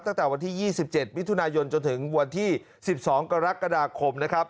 ตั้งแต่วันที่๒๗มิถุนายนจนถึงวันที่๑๒กรกฎาคมนะครับ